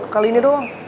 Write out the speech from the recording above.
kali ini doang